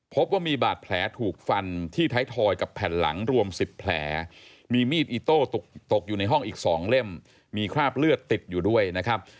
พบว่ามีบาดแผลถูกฟันที่ท้ายทอยกับแผ่นหลังรวม๑๐แผลมีมีดอิโต้ตกอยู่ในห้องอีก๒เล่มมีคราบเลือดติดอยู่ด้วยนะครับ